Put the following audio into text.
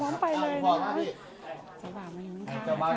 สวัสดีครับ